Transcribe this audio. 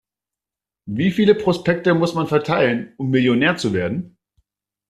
Wie viele Prospekte muss man verteilen, um Millionär zu werden?